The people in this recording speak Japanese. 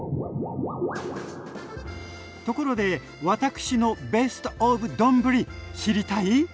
ところで私のベストオブ丼知りたい？